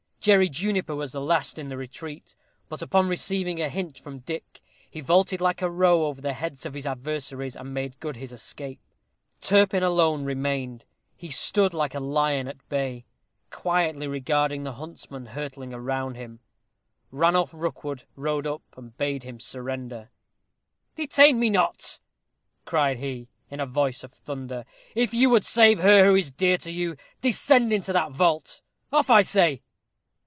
Jerry Juniper was the last in the retreat; but, upon receiving a hint from Dick, he vaulted like a roe over the heads of his adversaries, and made good his escape. Turpin alone remained. He stood like a lion at bay, quietly regarding the huntsmen hurtling around him. Ranulph Rookwood rode up and bade him surrender. "Detain me not," cried he, in a voice of thunder. "If you would save her who is dear to you, descend into that vault. Off, I say."